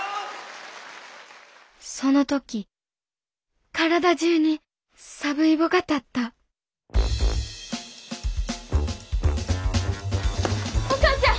その時体中にサブイボが立ったお母ちゃん！